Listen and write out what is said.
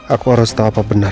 aku harus tahu apa benar